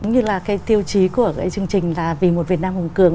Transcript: như là cái tiêu chí của cái chương trình là vì một việt nam hùng cường